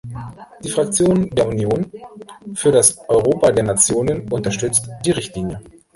Die Fraktion der Union für das Europa der Nationen unterstützt die Richtlinie.